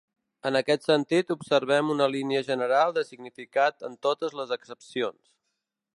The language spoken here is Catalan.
En aquest sentit observem una línia general de significat en totes les accepcions.